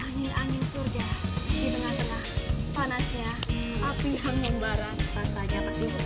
ini angin surga di tengah tengah panasnya api yang membara rasanya pasti